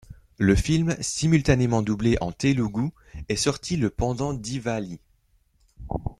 Le film, simultanément doublé en télougou, est sorti le pendant Divālī.